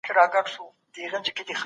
هغه دا مهال د چاپېريال ساتنه کوي.